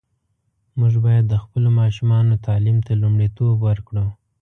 موږ باید د خپلو ماشومانو تعلیم ته لومړیتوب ورکړو.